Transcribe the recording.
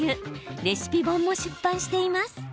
レシピ本も出版しています。